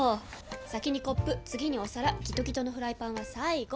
先にコップ次にお皿ギトギトのフライパンは最後！